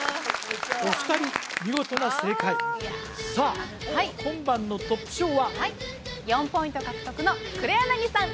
お二人見事な正解さあ今晩のトップ賞ははい４ポイント獲得の黒柳さん